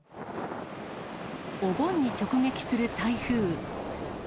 お盆に直撃する台風。